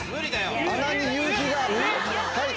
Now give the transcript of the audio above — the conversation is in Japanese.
穴に夕日がはい。